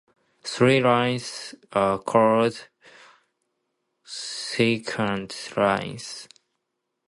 These lines are called secant lines.